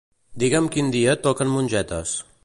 Digue'm quin dia toquen mongetes.